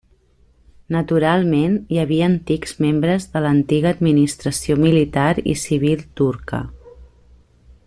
Naturalment, hi havia antics membres de l'antiga administració militar i civil turca.